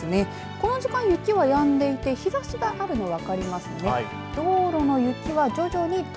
この時間雪はやんでいて日ざしがあるの分かりますね。